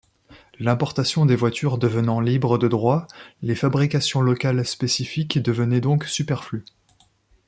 L'importation des voitures devenant libre de droits, les fabrications locales spécifiques devenaient donc superflues.